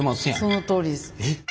そのとおりです。